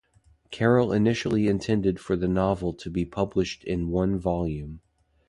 Carroll initially intended for the novel to be published in one volume.